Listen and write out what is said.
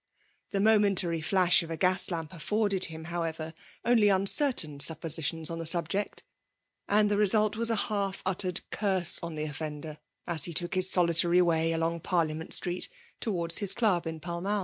The momentary^ flash of a gas lamp aSbrded him, however, only uncertain suppositions on the subject; and the result was a half uttered curse on the offender, as he took his solitary way along Parliament Street, towards his Club in PalF IdaU.